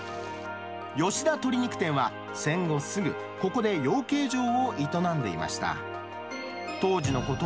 吉田鶏肉店は、戦後すぐ、ここで養鶏場を営んでいました。